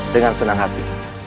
dengan senang hati